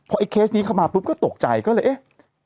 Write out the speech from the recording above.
ไอ้เคสนี้เข้ามาปุ๊บก็ตกใจก็เลยเอ๊ะ